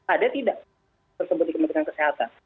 ada tidak tersebut di kementerian kesehatan